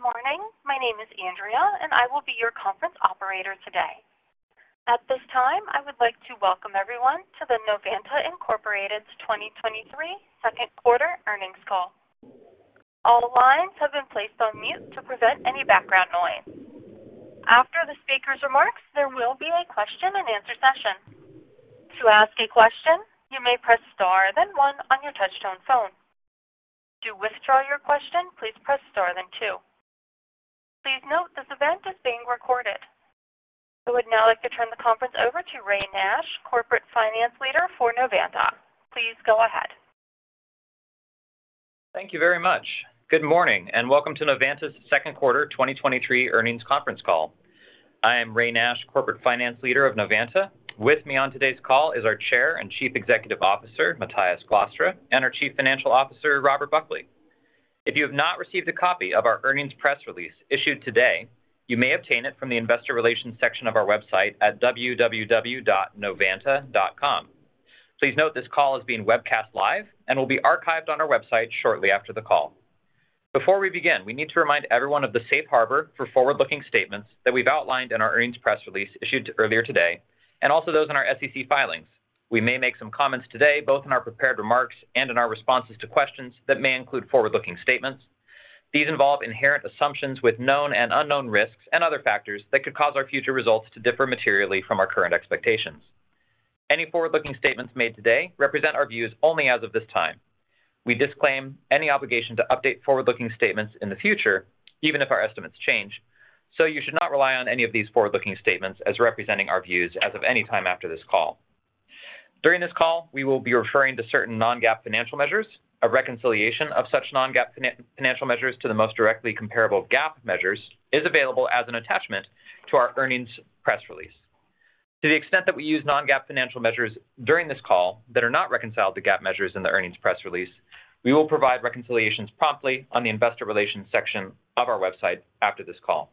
Good morning. My name is Andrea, and I will be your conference operator today. At this time, I would like to welcome everyone to the Novanta Inc.'s 2023 second quarter earnings call. All lines have been placed on mute to prevent any background noise. After the speaker's remarks, there will be a question-and-answer session. To ask a question, you may press Star, then one on your touch-tone phone. To withdraw your question, please press Star, then two. Please note, this event is being recorded. I would now like to turn the conference over to Ray Nash, Corporate Finance Leader for Novanta. Please go ahead. Thank you very much. Good morning, welcome to Novanta's second quarter 2023 earnings conference call. I am Ray Nash, Corporate Finance Leader of Novanta. With me on today's call is our Chair and Chief Executive Officer, Matthijs Glastra, and our Chief Financial Officer, Robert Buckley. If you have not received a copy of our earnings press release issued today, you may obtain it from the investor relations section of our website at www.novanta.com. Please note this call is being webcast live and will be archived on our website shortly after the call. Before we begin, we need to remind everyone of the safe harbor for forward-looking statements that we've outlined in our earnings press release issued earlier today, and also those in our SEC filings. We may make some comments today, both in our prepared remarks and in our responses to questions that may include forward-looking statements. These involve inherent assumptions with known and unknown risks and other factors that could cause our future results to differ materially from our current expectations. Any forward-looking statements made today represent our views only as of this time. We disclaim any obligation to update forward-looking statements in the future, even if our estimates change, so you should not rely on any of these forward-looking statements as representing our views as of any time after this call. During this call, we will be referring to certain non-GAAP financial measures. A reconciliation of such non-GAAP financial measures to the most directly comparable GAAP measures is available as an attachment to our earnings press release. To the extent that we use non-GAAP financial measures during this call that are not reconciled to GAAP measures in the earnings press release, we will provide reconciliations promptly on the investor relations section of our website after this call.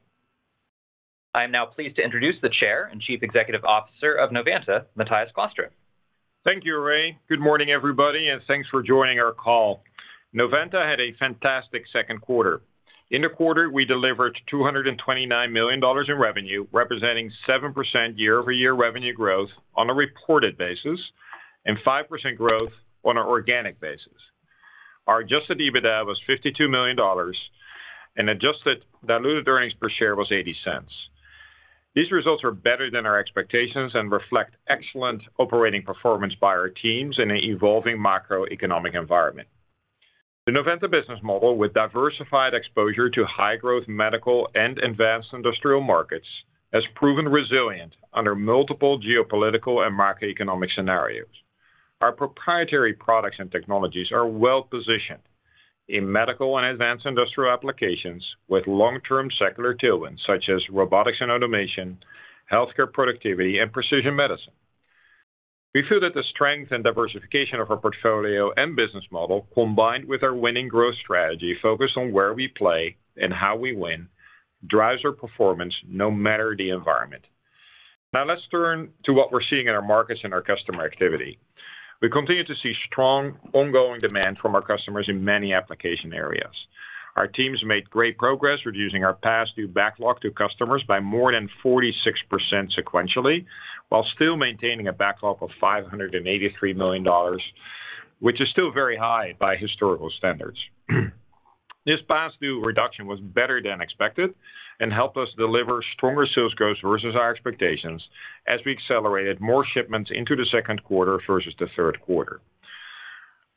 I am now pleased to introduce the Chair and Chief Executive Officer of Novanta, Matthijs Glastra. Thank you, Ray. Good morning, everybody, and thanks for joining our call. Novanta had a fantastic second quarter. In the quarter, we delivered $229 million in revenue, representing 7% year-over-year revenue growth on a reported basis and 5% growth on an organic basis. Adjusted EBITDA was $52 million, and adjusted diluted earnings per share was $0.80. These results are better than our expectations and reflect excellent operating performance by our teams in an evolving macroeconomic environment. The Novanta business model, with diversified exposure to high-growth medical and advanced industrial markets, has proven resilient under multiple geopolitical and macroeconomic scenarios. Our proprietary products and technologies are well positioned in medical and advanced industrial applications with long-term secular tailwinds, such as Robotics and Automation, healthcare productivity, and Precision Medicine. We feel that the strength and diversification of our portfolio and business model, combined with our winning growth strategy, focused on where we play and how we win, drives our performance no matter the environment. Now, let's turn to what we're seeing in our markets and our customer activity. We continue to see strong ongoing demand from our customers in many application areas. Our teams made great progress, reducing our past due backlog to customers by more than 46% sequentially, while still maintaining a backlog of $583 million, which is still very high by historical standards. This past due reduction was better than expected and helped us deliver stronger sales growth versus our expectations as we accelerated more shipments into the second quarter versus the third quarter.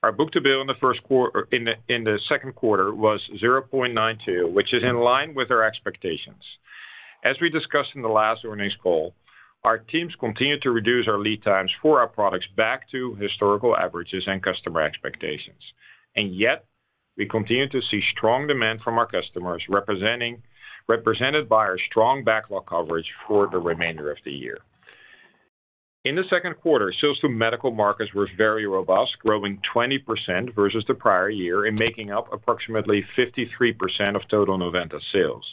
Our book-to-bill in the second quarter was 0.92, which is in line with our expectations. As we discussed in the last earnings call, our teams continued to reduce our lead times for our products back to historical averages and customer expectations, yet we continue to see strong demand from our customers, represented by our strong backlog coverage for the remainder of the year. In the second quarter, sales to medical markets were very robust, growing 20% versus the prior year and making up approximately 53% of total Novanta sales.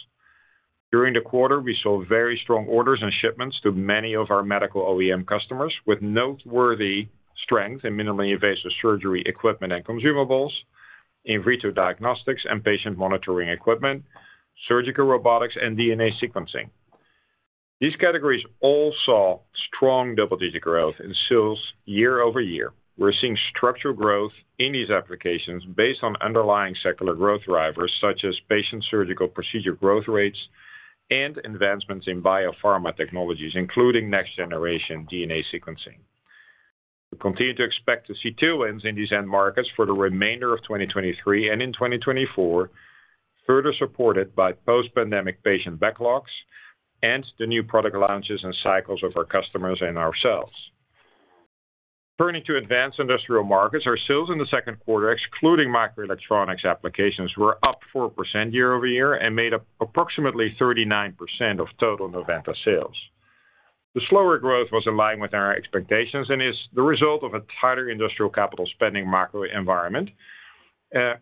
During the quarter, we saw very strong orders and shipments to many of our medical OEM customers, with noteworthy strength in minimally invasive surgery, equipment and consumables, in vitro diagnostics and patient monitoring equipment, surgical robotics, and DNA sequencing. These categories all saw strong double-digit growth in sales year-over-year. We're seeing structural growth in these applications based on underlying secular growth drivers, such as patient surgical procedure growth rates and advancements in biopharma technologies, including next-generation DNA sequencing. We continue to expect to see tailwinds in these end markets for the remainder of 2023 and in 2024, further supported by post-pandemic patient backlogs and the new product launches and cycles of our customers and ourselves. Turning to advanced industrial markets, our sales in the second quarter, excluding microelectronics applications, were up 4% year-over-year and made up approximately 39% of total Novanta sales. The slower growth was in line with our expectations and is the result of a tighter industrial capital spending macro environment,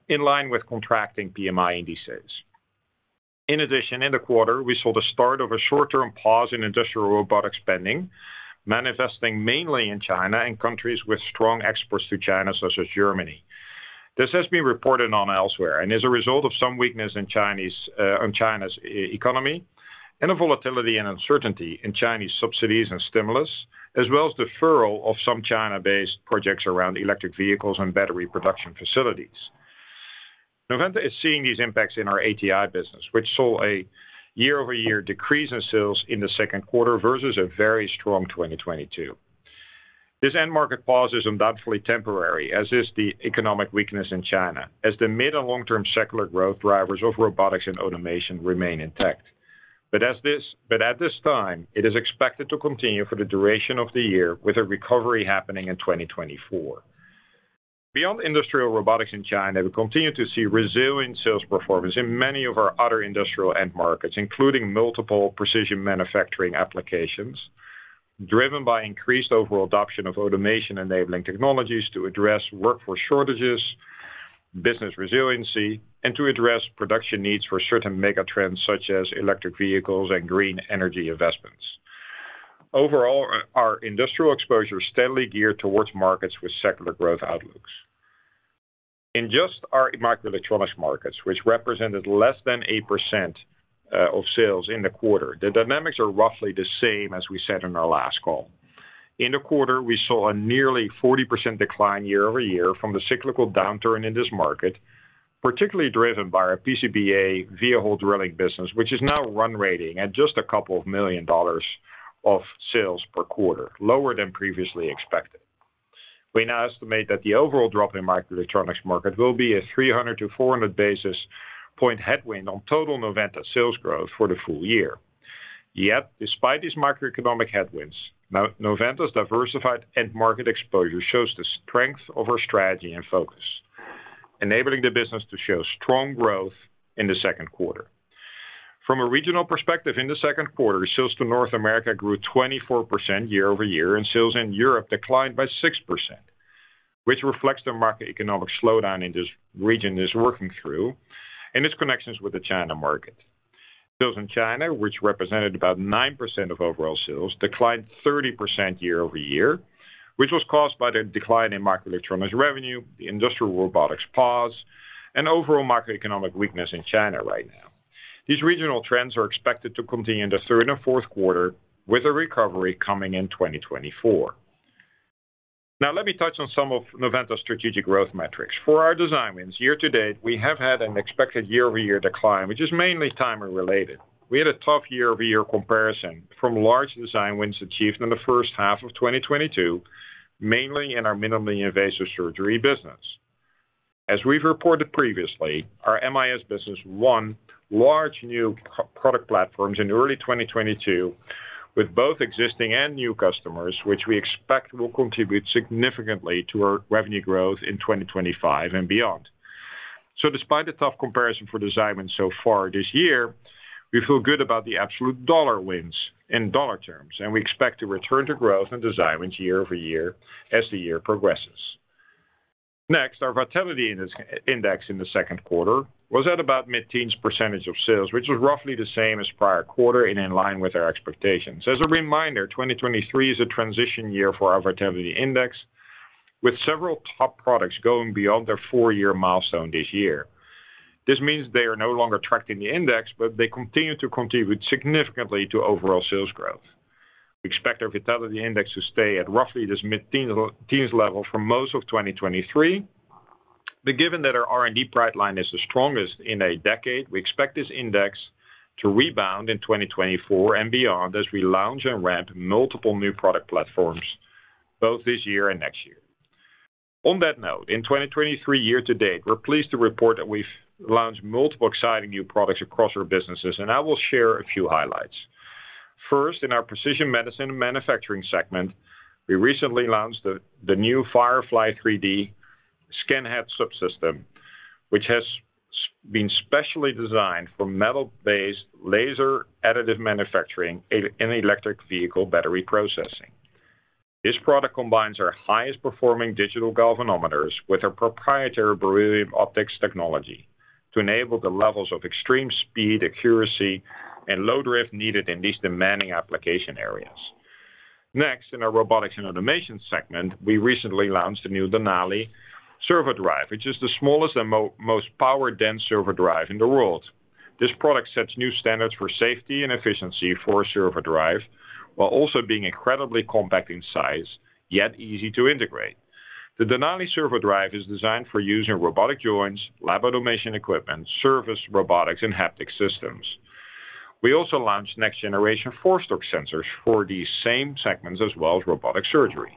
in line with contracting PMI indices. In addition, in the quarter, we saw the start of a short-term pause in industrial robotic spending, manifesting mainly in China and countries with strong exports to China, such as Germany. This has been reported on elsewhere, and as a result of some weakness in China's e-economy, and the volatility and uncertainty in Chinese subsidies and stimulus, as well as deferral of some China-based projects around electric vehicles and battery production facilities. Novanta is seeing these impacts in our ATI business, which saw a year-over-year decrease in sales in the second quarter versus a very strong 2022. This end market pause is undoubtedly temporary, as is the economic weakness in China, as the mid and long-term secular growth drivers of robotics and automation remain intact. At this time, it is expected to continue for the duration of the year, with a recovery happening in 2024. Beyond industrial robotics in China, we continue to see resilient sales performance in many of our other industrial end markets, including multiple precision manufacturing applications, driven by increased overall adoption of automation-enabling technologies to address workforce shortages, business resiliency, and to address production needs for certain megatrends such as electric vehicles and green energy investments. Overall, our industrial exposure is steadily geared towards markets with secular growth outlooks. In just our microelectronics markets, which represented less than 8% of sales in the quarter, the dynamics are roughly the same as we said in our last call. In the quarter, we saw a nearly 40% decline year-over-year from the cyclical downturn in this market, particularly driven by our PCBA via hole drilling business, which is now run rating at just $2 million of sales per quarter, lower than previously expected. We now estimate that the overall drop in microelectronics market will be a 300-400 basis point headwind on total Novanta sales growth for the full year. Despite these macroeconomic headwinds, Novanta's diversified end market exposure shows the strength of our strategy and focus, enabling the business to show strong growth in the second quarter. From a regional perspective, in the second quarter, sales to North America grew 24% year-over-year, and sales in Europe declined by 6%, which reflects the macroeconomic slowdown in this region is working through and its connections with the China market. Sales in China, which represented about 9% of overall sales, declined 30% year-over-year, which was caused by the decline in microelectronics revenue, the industrial robotics pause, and overall macroeconomic weakness in China right now. These regional trends are expected to continue in the third and fourth quarter, with a recovery coming in 2024. Now, let me touch on some of Novanta's strategic growth metrics. For our design wins, year to date, we have had an expected year-over-year decline, which is mainly timing related. We had a tough year-over-year comparison from large design wins achieved in the first half of 2022, mainly in our minimally invasive surgery business. As we've reported previously, our MIS business won large new pro-product platforms in early 2022, with both existing and new customers, which we expect will contribute significantly to our revenue growth in 2025 and beyond. Despite the tough comparison for design wins so far this year, we feel good about the absolute dollar wins in dollar terms, and we expect to return to growth in design wins year-over-year as the year progresses. Next, our vitality index in the second quarter was at about mid-teens % of sales, which was roughly the same as prior quarter and in line with our expectations. As a reminder, 2023 is a transition year for our vitality index, with several top products going beyond their 4-year milestone this year. This means they are no longer tracked in the index, but they continue to contribute significantly to overall sales growth. We expect our vitality index to stay at roughly this mid-teen, teens level for most of 2023, but given that our R&D pipeline is the strongest in a decade, we expect this index to rebound in 2024 and beyond as we launch and ramp multiple new product platforms, both this year and next year. On that note, in 2023 year to date, we're pleased to report that we've launched multiple exciting new products across our businesses, and I will share a few highlights. In our Precision Medicine and Manufacturing segment, we recently launched the new FIREFLY3D ScanHead subsystem, which has been specially designed for metal-based laser additive manufacturing in electric vehicle battery processing. This product combines our highest performing digital galvanometers with our proprietary beryllium optics technology to enable the levels of extreme speed, accuracy, and low drift needed in these demanding application areas. In our Robotics and Automation segment, we recently launched the new Denali servo drive, which is the smallest and most power-dense servo drive in the world. This product sets new standards for safety and efficiency for a servo drive, while also being incredibly compact in size, yet easy to integrate. The Denali servo drive is designed for use in robotic joints, lab automation equipment, service robotics, and haptic systems. We also launched next-generation force torque sensors for these same segments, as well as robotic surgery.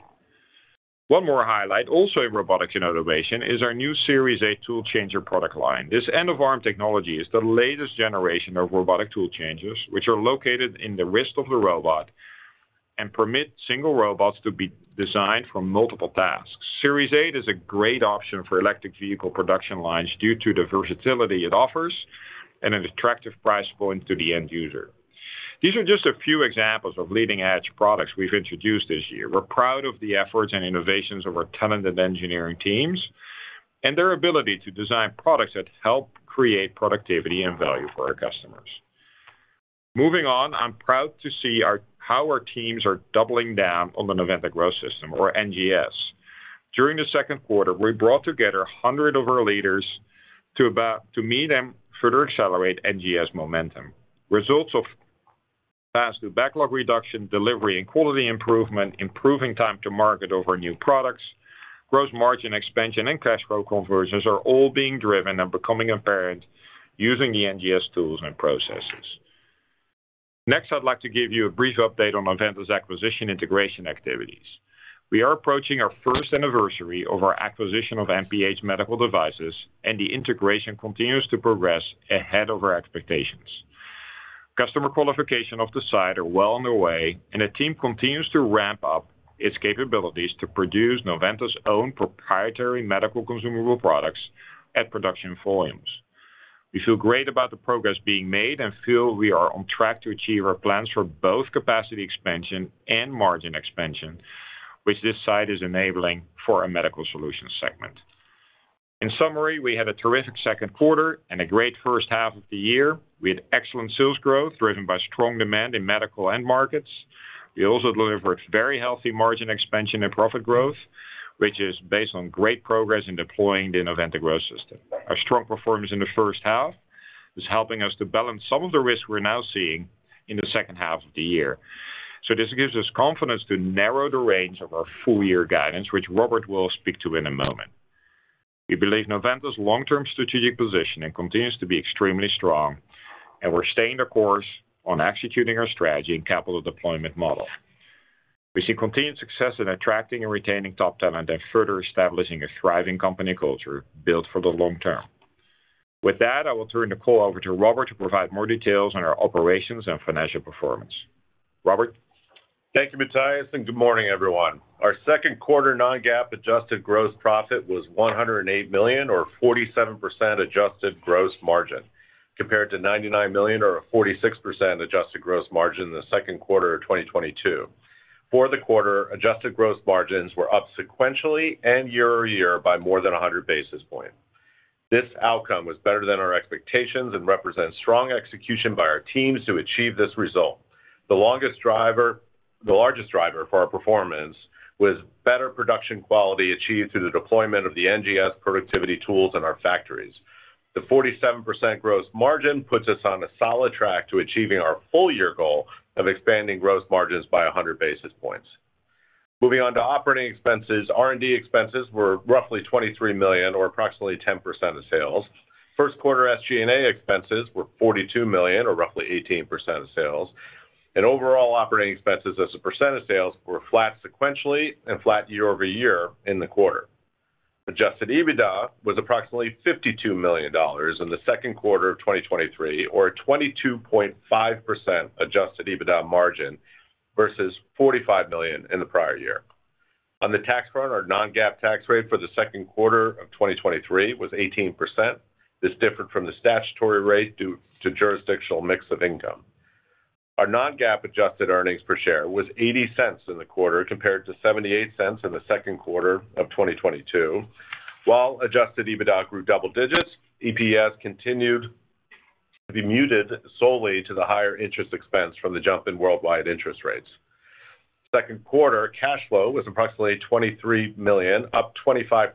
One more highlight, also in Robotics and Automation, is our new Series A tool changer product line. This end-of-arm technology is the latest generation of robotic tool changers, which are located in the wrist of the robot and permit single robots to be designed for multiple tasks. Series A is a great option for electric vehicle production lines due to the versatility it offers and an attractive price point to the end user. These are just a few examples of leading-edge products we've introduced this year. We're proud of the efforts and innovations of our talented engineering teams. Their ability to design products that help create productivity and value for our customers. Moving on, I'm proud to see our, how our teams are doubling down on the Novanta Growth System, or NGS. During the second quarter, we brought together 100 of our leaders to meet and further accelerate NGS momentum. Results of fast through backlog reduction, delivery, and quality improvement, improving time to market of our new products, gross margin expansion, and cash flow conversions are all being driven and becoming apparent using the NGS tools and processes. Next, I'd like to give you a brief update on Novanta's acquisition integration activities. We are approaching our 1st anniversary of our acquisition of MPH Medical Devices, and the integration continues to progress ahead of our expectations. Customer qualification of the site are well on their way, and the team continues to ramp up its capabilities to produce Novanta's own proprietary medical consumable products at production volumes. We feel great about the progress being made and feel we are on track to achieve our plans for both capacity expansion and margin expansion, which this site is enabling for our Medical Solutions segment. In summary, we had a terrific second quarter and a great first half of the year. We had excellent sales growth, driven by strong demand in medical end markets. We also delivered very healthy margin expansion and profit growth, which is based on great progress in deploying the Novanta Growth System. Our strong performance in the first half is helping us to balance some of the risks we're now seeing in the second half of the year. This gives us confidence to narrow the range of our full year guidance, which Robert will speak to in a moment. We believe Novanta's long-term strategic position continues to be extremely strong, and we're staying the course on executing our strategy and capital deployment model. We see continued success in attracting and retaining top talent, and further establishing a thriving company culture built for the long term. With that, I will turn the call over to Robert to provide more details on our operations and financial performance. Robert? Thank you, Matthijs, good morning, everyone. Our second quarter non-GAAP adjusted gross profit was $108 million, or 47% adjusted gross margin, compared to $99 million or a 46% adjusted gross margin in the second quarter of 2022. For the quarter, adjusted gross margins were up sequentially and year-over-year by more than 100 basis points. This outcome was better than our expectations and represents strong execution by our teams to achieve this result. The largest driver for our performance was better production quality achieved through the deployment of the NGS productivity tools in our factories. The 47% gross margin puts us on a solid track to achieving our full year goal of expanding gross margins by 100 basis points. Moving on to operating expenses. R&D expenses were roughly $23 million, or approximately 10% of sales. First quarter SG&A expenses were $42 million, or roughly 18% of sales. Overall operating expenses as a percent of sales, were flat sequentially and flat year-over-year in the quarter. Adjusted EBITDA was approximately $52 million in the second quarter of 2023, or a 22.5% adjusted EBITDA margin, versus $45 million in the prior year. On the tax front, our non-GAAP tax rate for the second quarter of 2023 was 18%. This differed from the statutory rate due to jurisdictional mix of income. Our non-GAAP adjusted earnings per share was $0.80 in the quarter, compared to $0.78 in the second quarter of 2022. While adjusted EBITDA grew double digits, EPS continued to be muted solely to the higher interest expense from the jump in worldwide interest rates. Second quarter cash flow was approximately $23 million, up 25%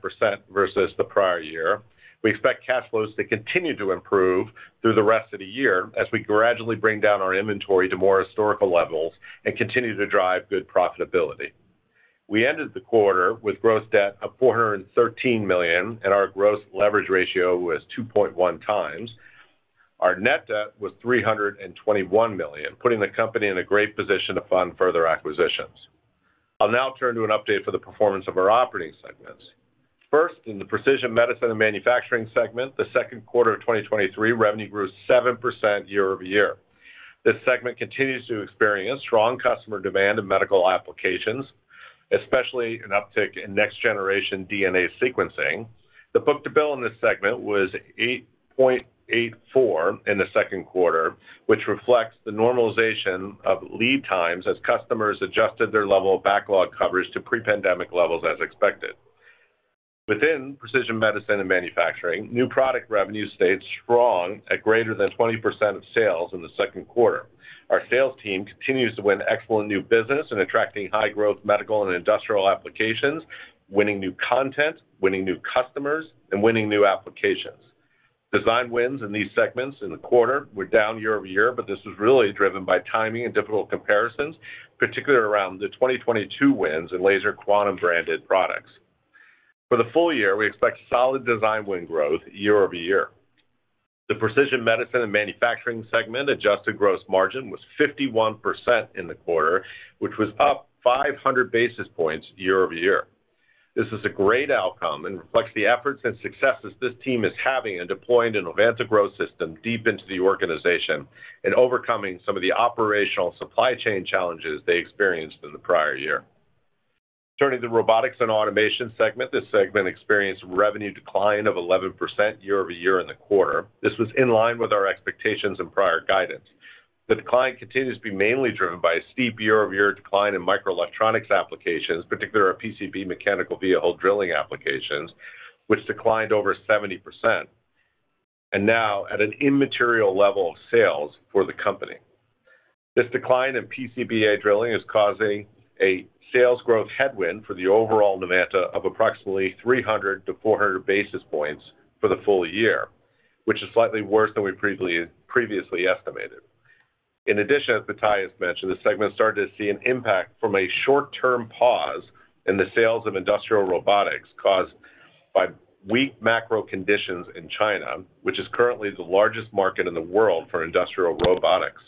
versus the prior year. We expect cash flows to continue to improve through the rest of the year as we gradually bring down our inventory to more historical levels and continue to drive good profitability. We ended the quarter with gross debt of $413 million, and our gross leverage ratio was 2.1 times. Our net debt was $321 million, putting the company in a great position to fund further acquisitions. I'll now turn to an update for the performance of our operating segments. First, in the Precision Medicine and Manufacturing segment, the second quarter of 2023, revenue grew 7% year-over-year. This segment continues to experience strong customer demand in medical applications, especially an uptick in next-generation DNA sequencing. The book-to-bill in this segment was 8.84 in the second quarter, which reflects the normalization of lead times as customers adjusted their level of backlog coverage to pre-pandemic levels as expected. Within Precision Medicine and Manufacturing, new product revenue stayed strong at greater than 20% of sales in the second quarter. Our sales team continues to win excellent new business in attracting high-growth medical and industrial applications, winning new content, winning new customers, and winning new applications. Design wins in these segments in the quarter were down year-over-year, but this was really driven by timing and difficult comparisons, particularly around the 2022 wins in Laser Quantum-branded products. For the full year, we expect solid design win growth year-over-year. The Precision Medicine and Manufacturing segment adjusted gross margin was 51% in the quarter, which was up 500 basis points year-over-year. This is a great outcome and reflects the efforts and successes this team is having in deploying the Novanta Growth System deep into the organization and overcoming some of the operational supply chain challenges they experienced in the prior year. Turning to Robotics and Automation segment. This segment experienced revenue decline of 11% year-over-year in the quarter. This was in line with our expectations and prior guidance. The decline continues to be mainly driven by a steep year-over-year decline in microelectronics applications, particularly our PCB mechanical via hole drilling applications, which declined over 70%, and now at an immaterial level of sales for the company. This decline in PCBA drilling is causing a sales growth headwind for the overall Novanta of approximately 300-400 basis points for the full year, which is slightly worse than we previously estimated. In addition, as Matthijs mentioned, the segment started to see an impact from a short-term pause in the sales of industrial robotics, caused by weak macro conditions in China, which is currently the largest market in the world for industrial robotics.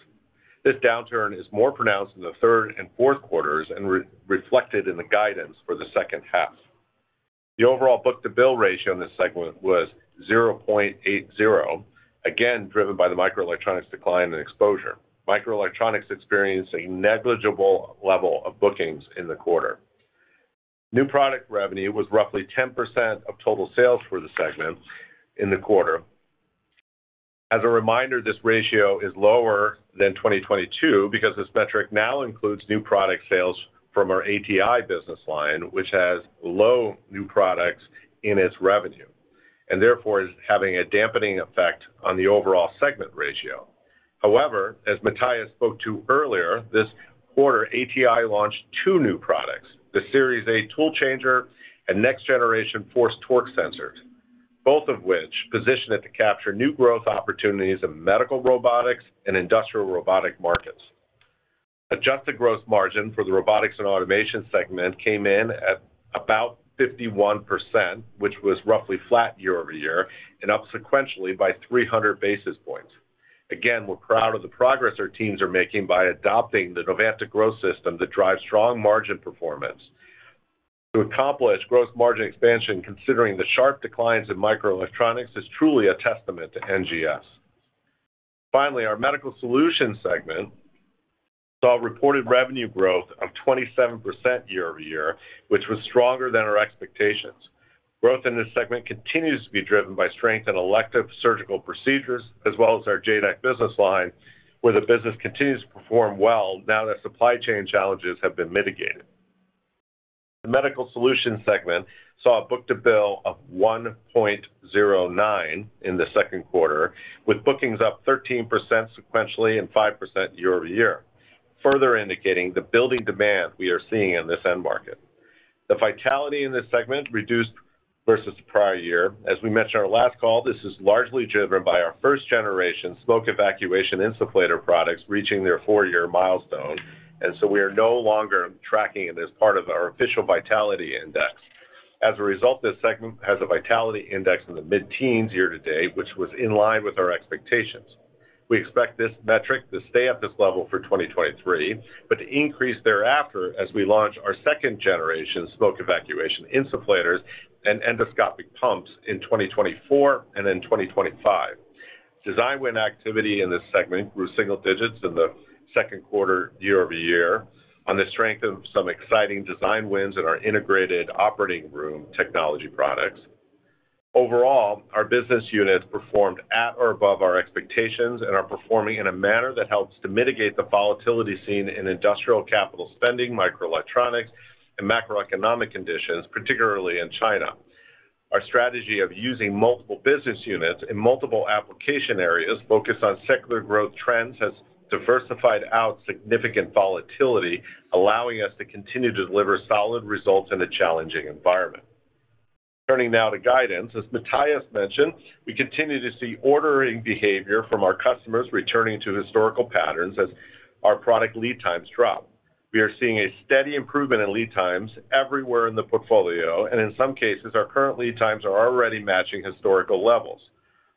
This downturn is more pronounced in the third and fourth quarters and re-reflected in the guidance for the second half. The overall book-to-bill ratio in this segment was 0.80, again, driven by the microelectronics decline and exposure. Microelectronics experienced a negligible level of bookings in the quarter. New product revenue was roughly 10% of total sales for the segment in the quarter. As a reminder, this ratio is lower than 2022 because this metric now includes new product sales from our ATI business line, which has low new products in its revenue, and therefore is having a dampening effect on the overall segment ratio. As Matthias spoke to earlier, this quarter, ATI launched 2 new products, the Series A Tool Changer and next generation force torque sensors, both of which position it to capture new growth opportunities in medical robotics and industrial robotic markets. Adjusted gross margin for the Robotics and Automation segment came in at about 51%, which was roughly flat year-over-year, and up sequentially by 300 basis points. We're proud of the progress our teams are making by adopting the Novanta Growth System that drives strong margin performance. To accomplish growth margin expansion, considering the sharp declines in microelectronics, is truly a testament to NGS. Finally, our Medical Solutions segment saw reported revenue growth of 27% year-over-year, which was stronger than our expectations. Growth in this segment continues to be driven by strength in elective surgical procedures, as well as our JADAK business line, where the business continues to perform well now that supply chain challenges have been mitigated. The Medical Solutions segment saw a book-to-bill of 1.09 in the second quarter, with bookings up 13% sequentially and 5% year-over-year, further indicating the building demand we are seeing in this end market. The vitality in this segment reduced versus prior year. As we mentioned in our last call, this is largely driven by our first-generation smoke evacuation insufflator products reaching their four-year milestone, and so we are no longer tracking it as part of our official vitality index. As a result, this segment has a vitality index in the mid-teens year to date, which was in line with our expectations. We expect this metric to stay at this level for 2023, but to increase thereafter as we launch our second-generation smoke evacuation insufflators and endoscopic pumps in 2024 and in 2025. Design win activity in this segment grew single digits in the second quarter year-over-year, on the strength of some exciting design wins in our integrated operating room technology products. Overall, our business units performed at or above our expectations and are performing in a manner that helps to mitigate the volatility seen in industrial capital spending, microelectronics, and macroeconomic conditions, particularly in China. Our strategy of using multiple business units in multiple application areas focused on secular growth trends, has diversified out significant volatility, allowing us to continue to deliver solid results in a challenging environment. Turning now to guidance. As Matthias mentioned, we continue to see ordering behavior from our customers returning to historical patterns as our product lead times drop. We are seeing a steady improvement in lead times everywhere in the portfolio, and in some cases, our current lead times are already matching historical levels.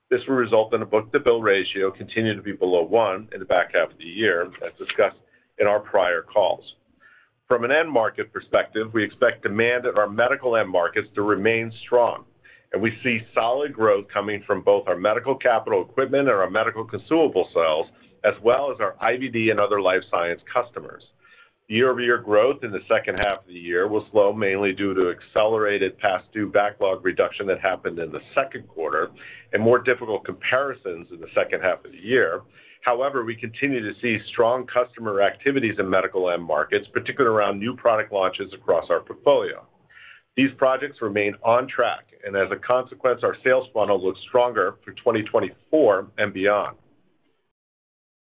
This will result in a book-to-bill ratio continuing to be below 1 in the back half of the year, as discussed in our prior calls. From an end market perspective, we expect demand at our medical end markets to remain strong, and we see solid growth coming from both our medical capital equipment and our medical consumable sales, as well as our IVD and other life science customers. Year-over-year growth in the second half of the year will slow, mainly due to accelerated past due backlog reduction that happened in the second quarter, and more difficult comparisons in the second half of the year. However, we continue to see strong customer activities in medical end markets, particularly around new product launches across our portfolio. These projects remain on track, and as a consequence, our sales funnel looks stronger for 2024 and beyond.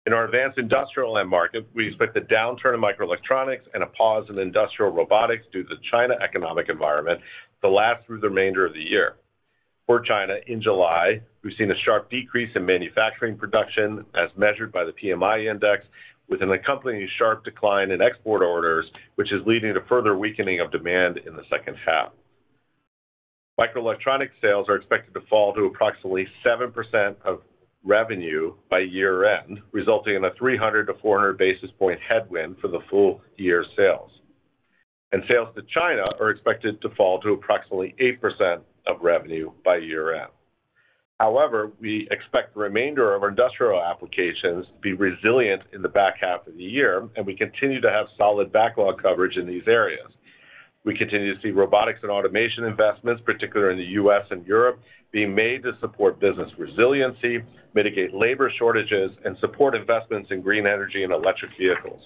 In our advanced industrial end market, we expect the downturn in microelectronics and a pause in industrial robotics due to the China economic environment to last through the remainder of the year. For China, in July, we've seen a sharp decrease in manufacturing production as measured by the PMI Index, with an accompanying sharp decline in export orders, which is leading to further weakening of demand in the second half. Microelectronic sales are expected to fall to approximately 7% of revenue by year-end, resulting in a 300-400 basis point headwind for the full year sales. Sales to China are expected to fall to approximately 8% of revenue by year-end. However, we expect the remainder of our industrial applications to be resilient in the back half of the year, and we continue to have solid backlog coverage in these areas.... We continue to see robotics and automation investments, particularly in the U.S. and Europe, being made to support business resiliency, mitigate labor shortages, and support investments in green energy and electric vehicles.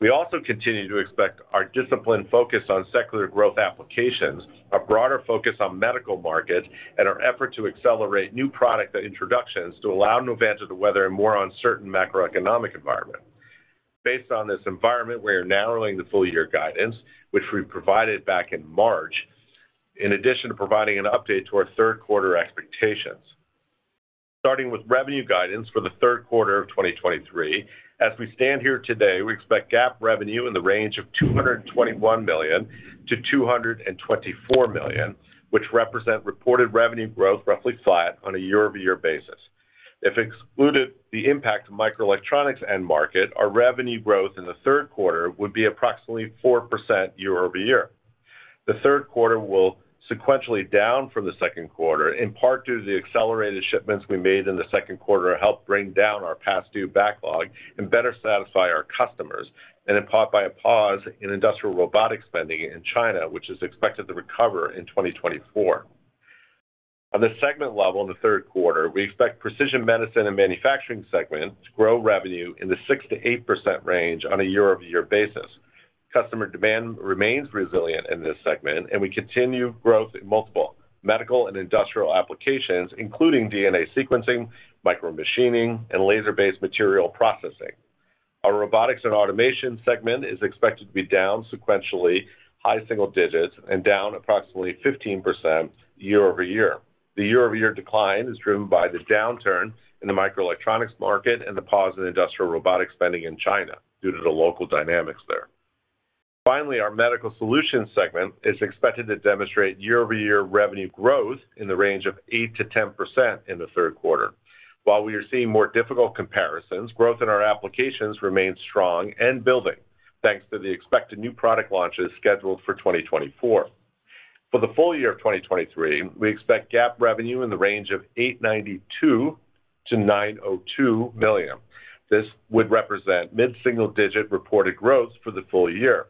We also continue to expect our disciplined focus on secular growth applications, a broader focus on medical markets, and our effort to accelerate new product introductions to allow Novanta to weather a more uncertain macroeconomic environment. Based on this environment, we are narrowing the full year guidance, which we provided back in March, in addition to providing an update to our third quarter expectations. Starting with revenue guidance for the third quarter of 2023, as we stand here today, we expect GAAP revenue in the range of $221 million-$224 million, which represent reported revenue growth roughly flat on a year-over-year basis. If excluded the impact of microelectronics end market, our revenue growth in the third quarter would be approximately 4% year-over-year. The 3rd quarter will sequentially down from the 2nd quarter, in part due to the accelerated shipments we made in the 2nd quarter to help bring down our past due backlog and better satisfy our customers, and in part by a pause in industrial robotics spending in China, which is expected to recover in 2024. On the segment level, in the 3rd quarter, we expect Precision Medicine and Manufacturing segment to grow revenue in the 6%-8% range on a year-over-year basis. Customer demand remains resilient in this segment, and we continue growth in multiple medical and industrial applications, including DNA sequencing, micromachining, and laser-based material processing. Our Robotics and Automation segment is expected to be down sequentially, high single digits, and down approximately 15% year-over-year. The year-over-year decline is driven by the downturn in the microelectronics market and the pause in industrial robotic spending in China due to the local dynamics there. Our Medical Solutions segment is expected to demonstrate year-over-year revenue growth in the range of 8%-10% in the third quarter. While we are seeing more difficult comparisons, growth in our applications remains strong and building, thanks to the expected new product launches scheduled for 2024. For the full year of 2023, we expect GAAP revenue in the range of $892 million-$902 million. This would represent mid-single digit reported growth for the full year.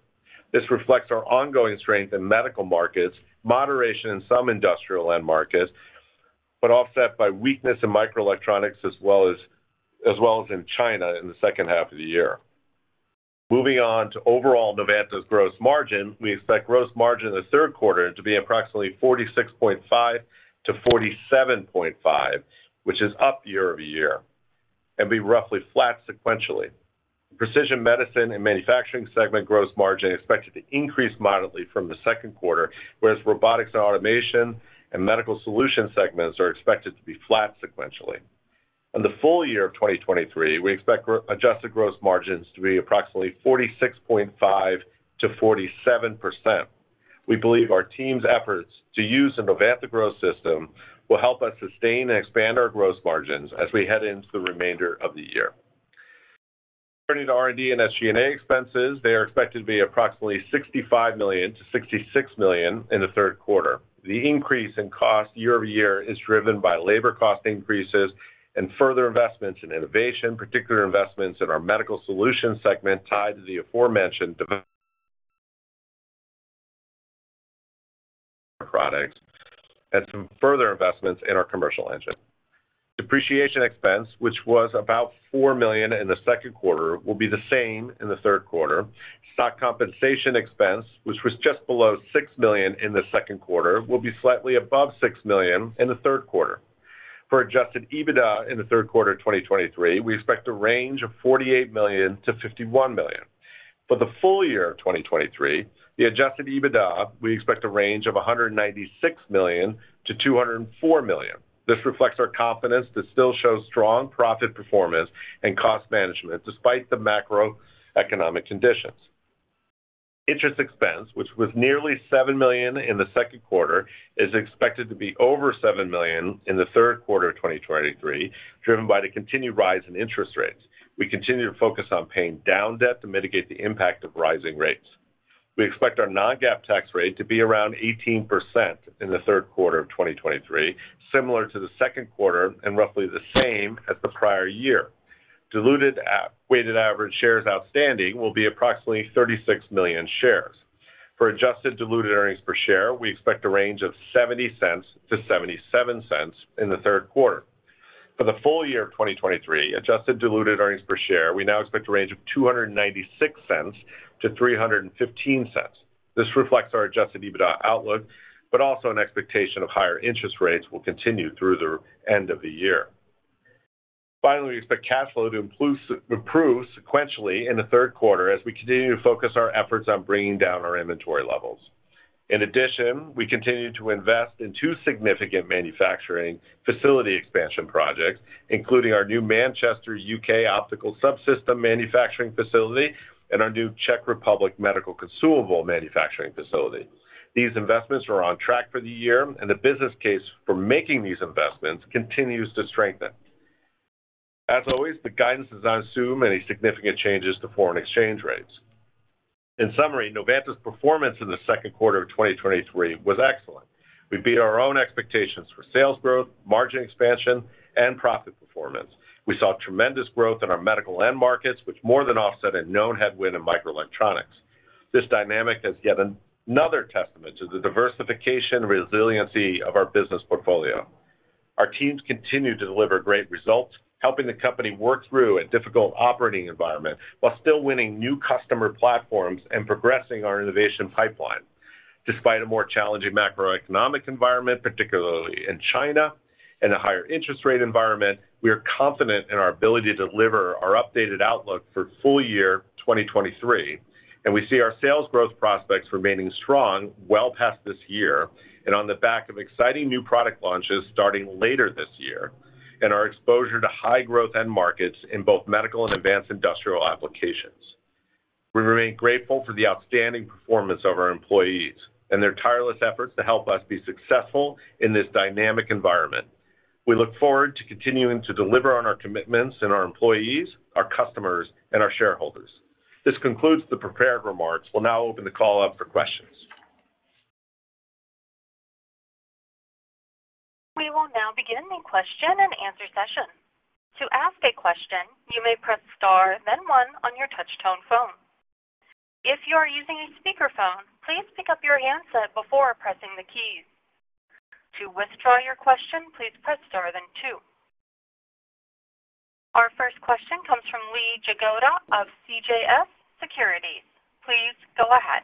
This reflects our ongoing strength in medical markets, moderation in some industrial end markets, offset by weakness in microelectronics as well as in China in the second half of the year. Moving on to overall Novanta's gross margin. We expect gross margin in the third quarter to be approximately 46.5 to 47.5, which is up year-over-year, and be roughly flat sequentially. Precision Medicine and Manufacturing segment gross margin is expected to increase moderately from the second quarter, whereas Robotics and Automation and Medical Solutions segments are expected to be flat sequentially. On the full year of 2023, we expect adjusted gross margins to be approximately 46.5%-47%. We believe our team's efforts to use the Novanta Growth System will help us sustain and expand our gross margins as we head into the remainder of the year. Turning to R&D and SG&A expenses, they are expected to be approximately $65 million-$66 million in the third quarter. The increase in cost year-over-year is driven by labor cost increases and further investments in innovation, particular investments in our Medical Solutions segment, tied to the aforementioned development products and some further investments in our commercial engine. Depreciation expense, which was about $4 million in the second quarter, will be the same in the third quarter. Stock compensation expense, which was just below $6 million in the second quarter, will be slightly above $6 million in the third quarter. For adjusted EBITDA in the third quarter of 2023, we expect a range of $48 million-$51 million. For the full year of 2023, the adjusted EBITDA, we expect a range of $196 million-$204 million. This reflects our confidence to still show strong profit performance and cost management despite the macroeconomic conditions. Interest expense, which was nearly $7 million in the second quarter, is expected to be over $7 million in the third quarter of 2023, driven by the continued rise in interest rates. We continue to focus on paying down debt to mitigate the impact of rising rates. We expect our non-GAAP tax rate to be around 18% in the third quarter of 2023, similar to the second quarter and roughly the same as the prior year. Diluted weighted average shares outstanding will be approximately 36 million shares. For adjusted diluted earnings per share, we expect a range of $0.70-$0.77 in the third quarter. For the full year of 2023, adjusted diluted earnings per share, we now expect a range of $2.96-$3.15. This reflects our adjusted EBITDA outlook, but also an expectation of higher interest rates will continue through the end of the year. Finally, we expect cash flow to improve sequentially in the third quarter as we continue to focus our efforts on bringing down our inventory levels. In addition, we continue to invest in 2 significant manufacturing facility expansion projects, including our new Manchester, UK, optical subsystem manufacturing facility and our new Czech Republic medical consumable manufacturing facility. These investments are on track for the year, and the business case for making these investments continues to strengthen. As always, the guidance does not assume any significant changes to foreign exchange rates. In summary, Novanta's performance in the second quarter of 2023 was excellent. We beat our own expectations for sales growth, margin expansion, and profit performance. We saw tremendous growth in our medical end markets, which more than offset a known headwind in microelectronics. This dynamic is yet another testament to the diversification resiliency of our business portfolio. Our teams continue to deliver great results, helping the company work through a difficult operating environment while still winning new customer platforms and progressing our innovation pipeline. Despite a more challenging macroeconomic environment, particularly in China, and a higher interest rate environment, we are confident in our ability to deliver our updated outlook for full year 2023, and we see our sales growth prospects remaining strong well past this year, and on the back of exciting new product launches starting later this year, and our exposure to high-growth end markets in both medical and advanced industrial applications. We remain grateful for the outstanding performance of our employees and their tireless efforts to help us be successful in this dynamic environment. We look forward to continuing to deliver on our commitments and our employees, our customers, and our shareholders. This concludes the prepared remarks. We'll now open the call up for questions. We will now begin the question and answer session. To ask a question, you may press Star, then one on your touch-tone phone. If you are using a speakerphone, please pick up your handset before pressing the keys. To withdraw your question, please press Star then two. Our first question comes from Lee Jagoda of CJS Securities. Please go ahead.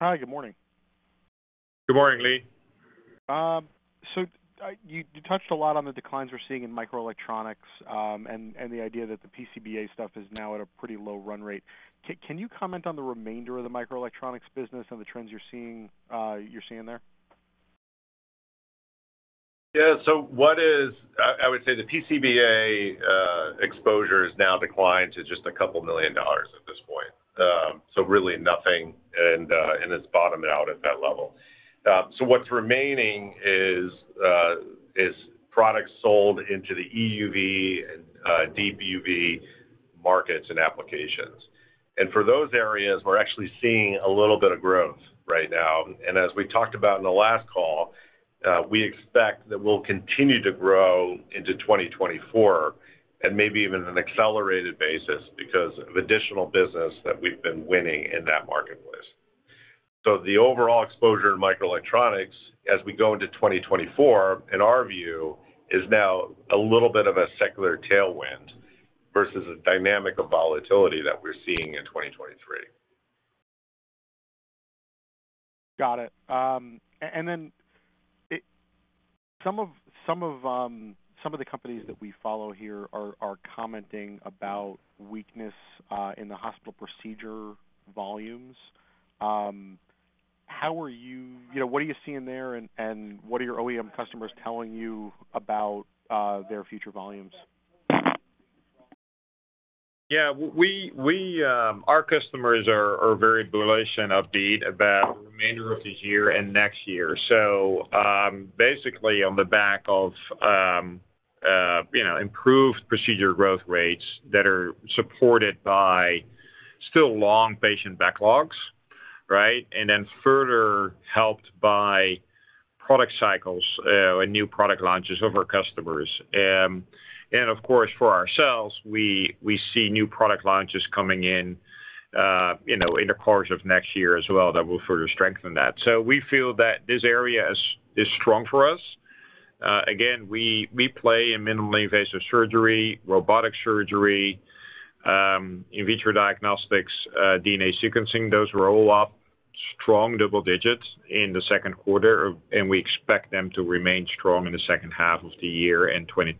Hi, good morning. Good morning, Lee. I, you touched a lot on the declines we're seeing in microelectronics, and the idea that the PCBA stuff is now at a pretty low run rate. Can you comment on the remainder of the microelectronics business and the trends you're seeing there? Yeah, I, I would say the PCBA exposure has now declined to just $2 million at this point. Really nothing, and it's bottomed out at that level. What's remaining is products sold into the EUV and Deep UV markets and applications. For those areas, we're actually seeing a little bit of growth right now. As we talked about in the last call, we expect that we'll continue to grow into 2024 and maybe even at an accelerated basis because of additional business that we've been winning in that marketplace. The overall exposure in microelectronics as we go into 2024, in our view, is now a little bit of a secular tailwind versus a dynamic of volatility that we're seeing in 2023. Got it. Then some of the companies that we follow here are commenting about weakness in the hospital procedure volumes. You know, what are you seeing there, and what are your OEM customers telling you about, their future volumes? Our customers are very bullish and upbeat about the remainder of this year and next year. Basically, on the back of, you know, improved procedure growth rates that are supported by still long patient backlogs, right? Further helped by product cycles and new product launches of our customers. Of course, for ourselves, we see new product launches coming in, you know, in the course of next year as well, that will further strengthen that. We feel that this area is strong for us. Again, we play in minimally invasive surgery, robotic surgery, in vitro diagnostics, DNA sequencing. Those were all up strong double digits in the second quarter, we expect them to remain strong in the second half of the year in 2024.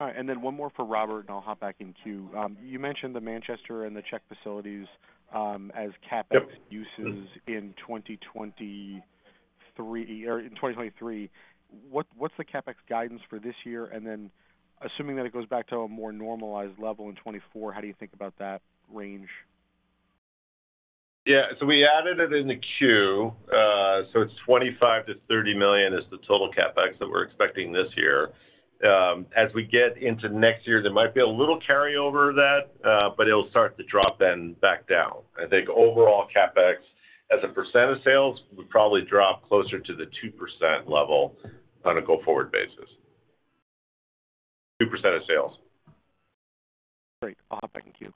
All right. Then one more for Robert, and I'll hop back in queue. You mentioned the Manchester and the Czech facilities, as CapEx- Yep uses in 2023. What's the CapEx guidance for this year? Then assuming that it goes back to a more normalized level in 2024, how do you think about that range? Yeah. We added it in the queue. It's $25 million-$30 million is the total CapEx that we're expecting this year. As we get into next year, there might be a little carryover of that, but it'll start to drop then back down. I think overall, CapEx, as a % of sales, would probably drop closer to the 2% level on a go-forward basis. 2% of sales. Great. I'll hop back in queue.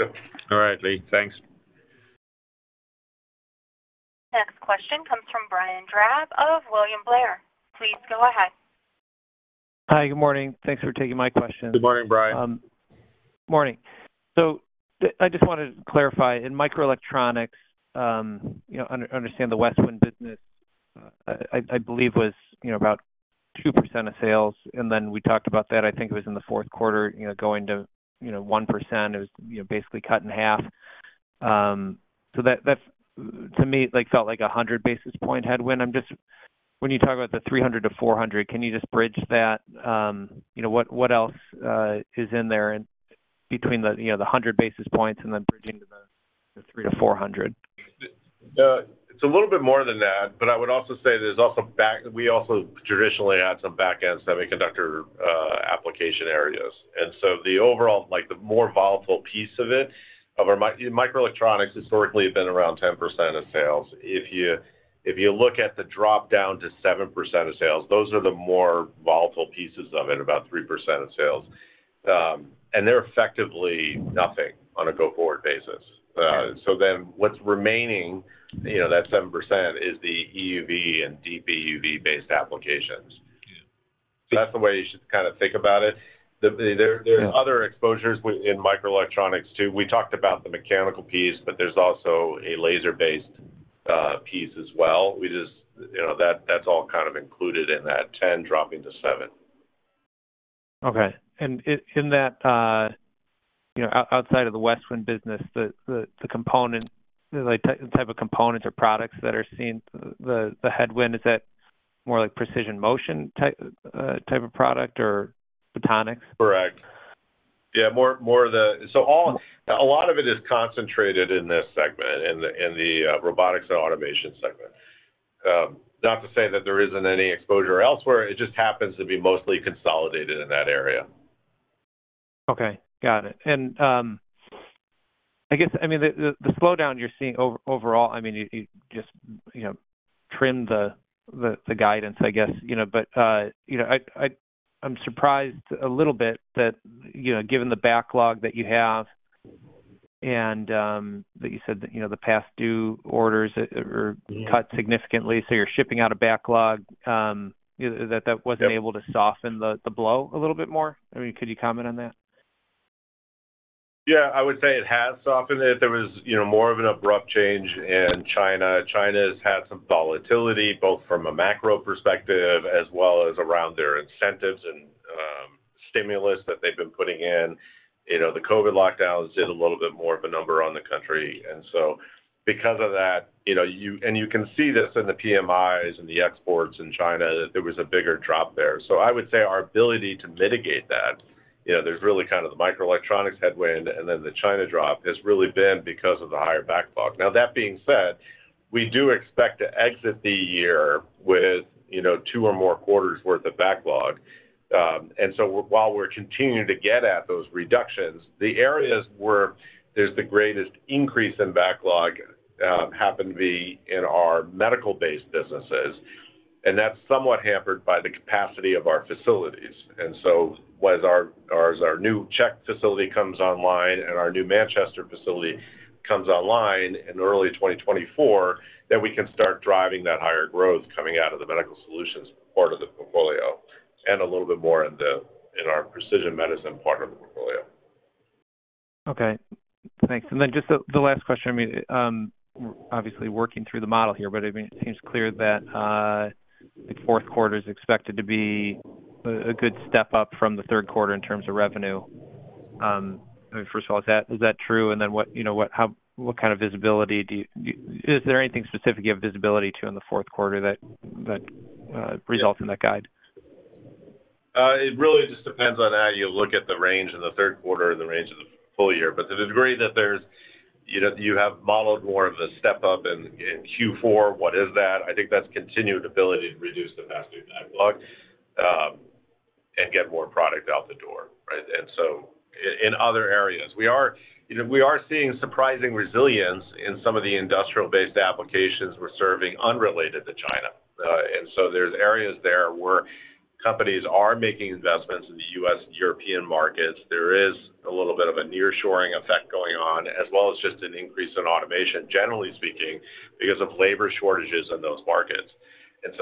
Yep. All right, Lee. Thanks. Next question comes from Brian Drab of William Blair. Please go ahead. Hi, good morning. Thanks for taking my question. Good morning, Brian. Morning. I just wanted to clarify, in microelectronics, you know, understand the Westwind business, I, I believe was, you know, about 2% of sales, and then we talked about that, I think it was in the fourth quarter, you know, going to, you know, 1%. It was, you know, basically cut in half. That, that, to me, like, felt like 100 basis point headwind. I'm just when you talk about the 300-400, can you just bridge that? You know, what, what else is in there and between the, you know, the 100 basis points and then bridging to the, the 300-400?... it's a little bit more than that, but I would also say there's also back-- We also traditionally had some back-end semiconductor application areas. So the overall, like, the more volatile piece of it, of our microelectronics historically have been around 10% of sales. If you, if you look at the drop-down to 7% of sales, those are the more volatile pieces of it, about 3% of sales. They're effectively nothing on a go-forward basis. What's remaining, you know, that 7%, is the EUV and DUV-based applications. That's the way you should kind of think about it. There are other exposures in microelectronics, too. We talked about the mechanical piece, but there's also a laser-based piece as well. We just, you know, that, that's all kind of included in that 10 dropping to 7. Okay. In that, you know, outside of the Westwind business, the, the, the component, like, type of components or products that are seeing the, the headwind, is that more like precision motion type of product or photonics? Correct. Yeah, A lot of it is concentrated in this segment, in the Robotics and Automation segment. Not to say that there isn't any exposure elsewhere, it just happens to be mostly consolidated in that area. Okay, got it. I guess... I mean, the, the, the slowdown you're seeing overall, I mean, you, you just, you know, trimmed the, the, the guidance, I guess, you know. you know, I, I, I'm surprised a little bit that, you know, given the backlog that you have and that you said that, you know, the past due orders are, are cut significantly, so you're shipping out a backlog, is that, that wasn't able to soften the, the blow a little bit more? I mean, could you comment on that? Yeah, I would say it has softened it. There was, you know, more of an abrupt change in China. China has had some volatility, both from a macro perspective as well as around their incentives and stimulus that they've been putting in. You know, the COVID lockdowns did a little bit more of a number on the country, so because of that, you know, you can see this in the PMIs and the exports in China, that there was a bigger drop there. I would say our ability to mitigate that, you know, there's really kind of the microelectronics headwind, and then the China drop, has really been because of the higher backlog. Now, that being said, we do expect to exit the year with, you know, 2 or more quarters worth of backlog. While we're continuing to get at those reductions, the areas where there's the greatest increase in backlog, happen to be in our medical-based businesses, and that's somewhat hampered by the capacity of our facilities. Once our, our, our new Czech Republic facility comes online and our new Manchester, UK, facility comes online in early 2024, then we can start driving that higher growth coming out of the Medical Solutions part of the portfolio, and a little bit more in the, in our Precision Medicine part of the portfolio. Okay, thanks. Then just the, the last question. I mean, obviously working through the model here, but, I mean, it seems clear that the fourth quarter is expected to be a good step up from the third quarter in terms of revenue. First of all, is that, is that true? Then what, you know, what, how, what kind of visibility do you? Is there anything specific you have visibility to in the fourth quarter that, that results in that guide? It really just depends on how you look at the range in the third quarter and the range of the full year. To the degree that there's, you know, you have modeled more of a step up in, in Q4, what is that? I think that's continued ability to reduce the past due backlog and get more product out the door, right? So in other areas, we are, you know, we are seeing surprising resilience in some of the industrial-based applications we're serving unrelated to China. So there's areas there where companies are making investments in the U.S. and European markets. There is a little bit of a nearshoring effect going on, as well as just an increase in automation, generally speaking, because of labor shortages in those markets.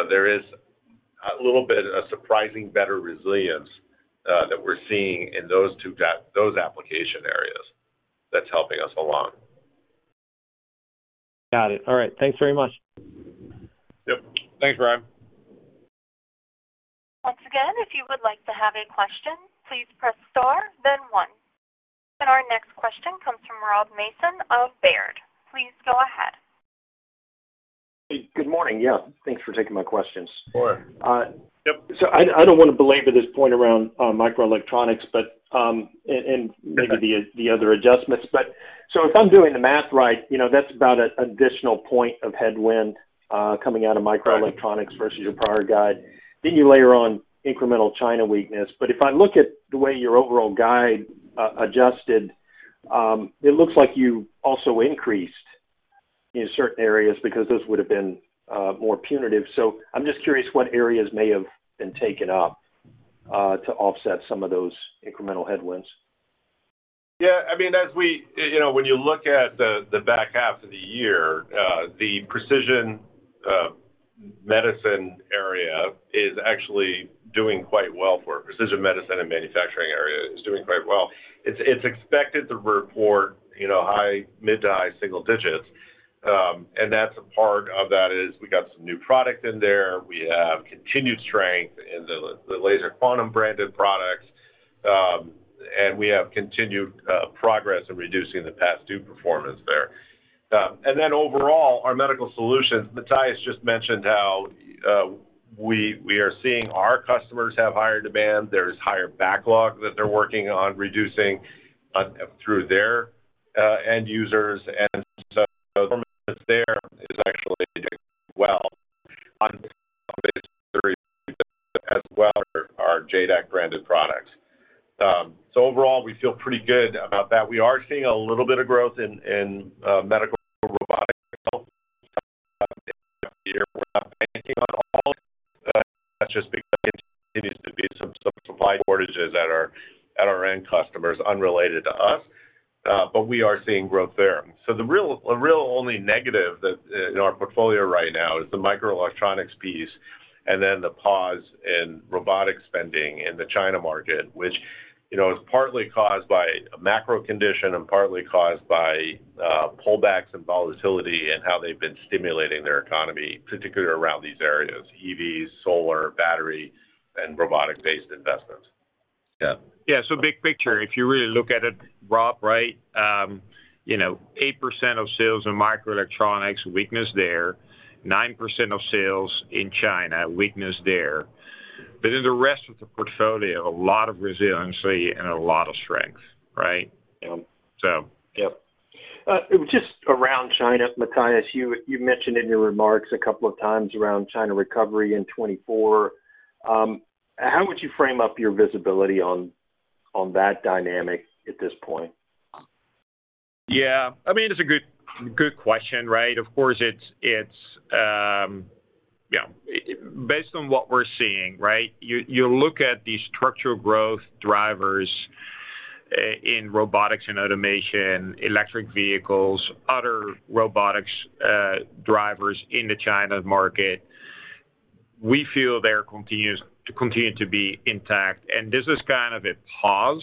There is a little bit of surprising better resilience that we're seeing in those two those application areas that's helping us along. Got it. All right. Thanks very much. Yep. Thanks, Ryan. Once again, if you would like to have a question, please press Star, then One. Our next question comes from Rob Mason of Baird. Please go ahead. Good morning. Yeah, thanks for taking my questions. Sure. Uh- Yep. I, I don't want to belabor this point around microelectronics, but, and maybe the other adjustments, but so if I'm doing the math right, you know, that's about an additional 1 point of headwind coming out of microelectronics. Correct. -versus your prior guide, then you layer on incremental China weakness. If I look at the way your overall guide, adjusted, it looks like you also increased in certain areas because those would have been, more punitive. I'm just curious what areas may have been taken up, to offset some of those incremental headwinds. Yeah, I mean, as we... You know, when you look at the back half of the year, the Precision Medicine area is actually doing quite well for Precision Medicine and Manufacturing area is doing quite well. It's, it's expected to report, you know, high, mid to high single digits, and that's a part of that is we got some new product in there. We have continued strength in the Laser Quantum-branded products, and we have continued progress in reducing the past due performance there. Overall, our Medical Solutions, Matthijs just mentioned we, we are seeing our customers have higher demand. There's higher backlog that they're working on reducing through their end users. The demand that's there is actually doing well on as well are JADAK-branded products. Overall, we feel pretty good about that. We are seeing a little bit of growth in, in medical robotics as well. We're not banking on all of that, just because it continues to be some, some supply shortages at our, at our end customers, unrelated to us, but we are seeing growth there. The real, the real only negative that, in our portfolio right now is the microelectronics piece, and then the pause in robotic spending in the China market, which, you know, is partly caused by a macro condition and partly caused by pullbacks and volatility in how they've been stimulating their economy, particularly around these areas: EVs, solar, battery, and robotic-based investments. Yeah. Yeah, so big picture, if you really look at it, Rob, right, you know, 8% of sales in microelectronics, weakness there, 9% of sales in China, weakness there. In the rest of the portfolio, a lot of resiliency and a lot of strength, right? Yeah. So. Yep. Just around China, Matthijs, you, you mentioned in your remarks a couple of times around China recovery in 2024. How would you frame up your visibility on, on that dynamic at this point? Yeah, I mean, it's a good, good question, right? Of course, it's. Yeah, based on what we're seeing, right? You, you look at the structural growth drivers in Robotics and Automation, electric vehicles, other robotics drivers in the China market, we feel they continue to be intact, and this is kind of a pause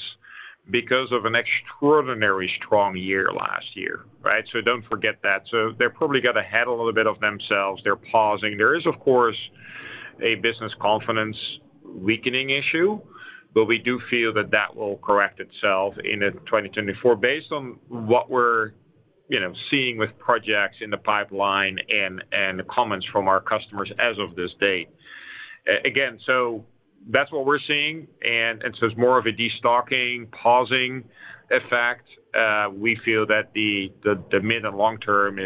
because of an extraordinary strong year last year, right? Don't forget that. They're probably got ahead a little bit of themselves. They're pausing. There is, of course, a business confidence weakening issue, we do feel that that will correct itself in 2024, based on what we're, you know, seeing with projects in the pipeline and the comments from our customers as of this date. Again, so that's what we're seeing, and so it's more of a destocking, pausing effect. We feel that the, the, the mid and long term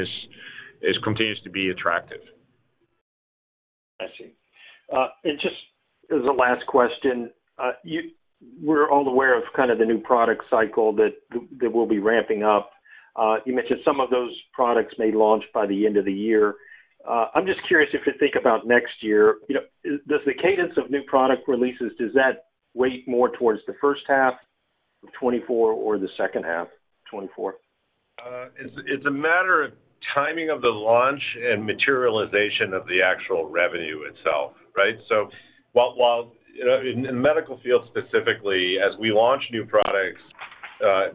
continues to be attractive. I see. Just as a last question, we're all aware of kind of the new product cycle that, that will be ramping up. You mentioned some of those products may launch by the end of the year. I'm just curious, if you think about next year, you know, does the cadence of new product releases, does that weight more towards the first half of 2024 or the second half of 2024? It's, it's a matter of timing of the launch and materialization of the actual revenue itself, right? While, while, in the medical field specifically, as we launch new products,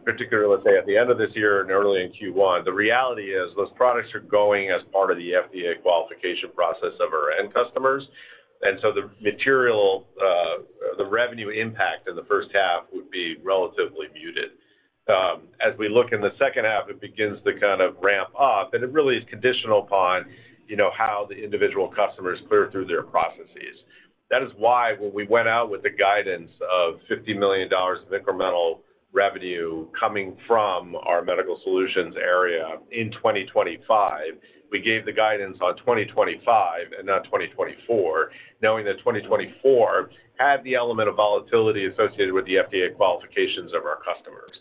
particularly, let's say, at the end of this year and early in Q1, the reality is, those products are going as part of the FDA qualification process of our end customers. The material, the revenue impact in the first half would be relatively muted. As we look in the second half, it begins to kind of ramp up, and it really is conditional upon, you know, how the individual customers clear through their processes. That is why when we went out with the guidance of $50 million of incremental revenue coming from our Medical Solutions area in 2025, we gave the guidance on 2025 and not 2024, knowing that 2024 had the element of volatility associated with the FDA qualifications of our customers.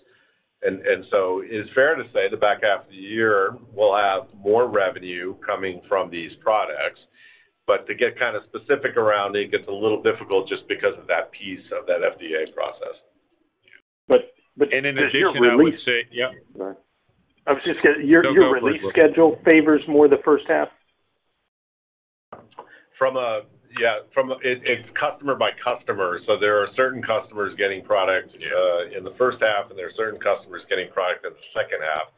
So it's fair to say the back half of the year will have more revenue coming from these products, but to get kind of specific around it, gets a little difficult just because of that piece of that FDA process. But, but- In addition, I would say. Your release- Yeah. I was just gonna. Your release schedule favors more the first half? It's customer by customer, so there are certain customers getting product in the first half, and there are certain customers getting product in the second half.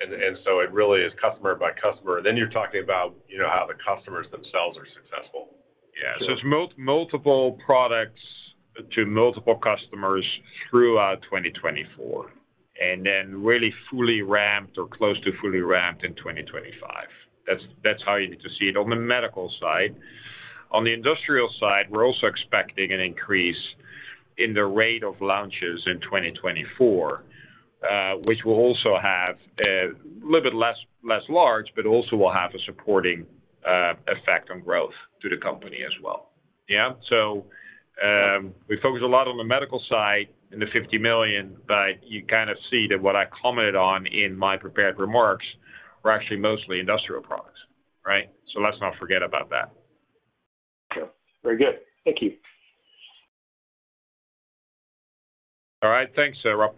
It really is customer by customer. You're talking about, you know, how the customers themselves are successful. Yeah. It's multiple products to multiple customers throughout 2024, then really fully ramped or close to fully ramped in 2025. That's, that's how you need to see it on the medical side. On the industrial side, we're also expecting an increase in the rate of launches in 2024, which will also have a little bit less large, but also will have a supporting effect on growth to the company as well. Yeah. We focused a lot on the medical side and the $50 million, but you kind of see that what I commented on in my prepared remarks were actually mostly industrial products, right? Let's not forget about that. Sure. Very good. Thank you. All right. Thanks, Rob.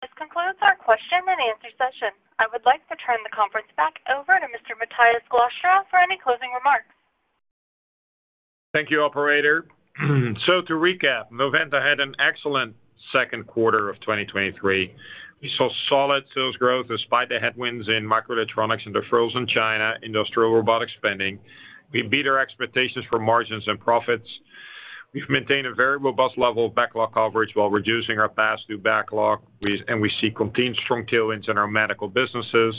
This concludes our question and answer session. I would like to turn the conference back over to Mr. Matthijs Glastra for any closing remarks. Thank you, operator. To recap, Novanta had an excellent second quarter of 2023. We saw solid sales growth despite the headwinds in microelectronics and the frozen China industrial robotic spending. We beat our expectations for margins and profits. We've maintained a very robust level of backlog coverage while reducing our past due backlog. We see continued strong tailwinds in our medical businesses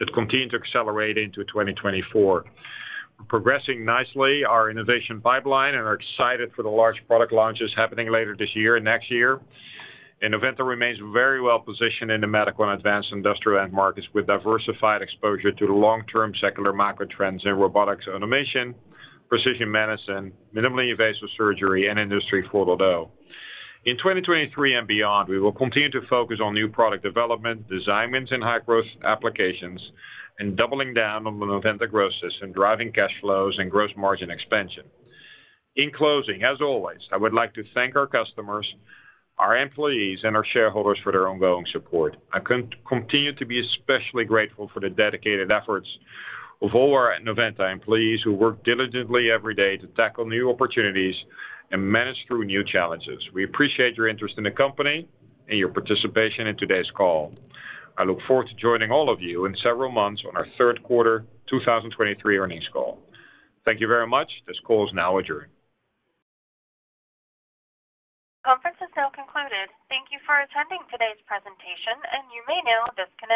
that continue to accelerate into 2024. We're progressing nicely our innovation pipeline and are excited for the large product launches happening later this year and next year. Novanta remains very well positioned in the medical and advanced industrial end markets, with diversified exposure to the long-term secular macro trends in robotics automation, precision medicine, minimally invasive surgery, and Industry 4.0. In 2023 and beyond, we will continue to focus on new product development, design wins in high-growth applications, and doubling down on the Novanta Growth System, driving cash flows and gross margin expansion. In closing, as always, I would like to thank our customers, our employees, and our shareholders for their ongoing support. I continue to be especially grateful for the dedicated efforts of all our Novanta employees, who work diligently every day to tackle new opportunities and manage through new challenges. We appreciate your interest in the company and your participation in today's call. I look forward to joining all of you in several months on our third quarter 2023 earnings call. Thank you very much. This call is now adjourned. Conference is now concluded. Thank you for attending today's presentation, and you may now disconnect.